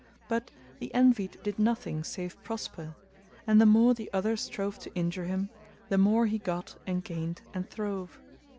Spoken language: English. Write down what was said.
But the Envied did nothing save prosper; and the more the other strove to injure him, the more he got and gained and throve.